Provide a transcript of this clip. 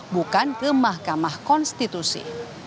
bukan ke mahkamah konstitusi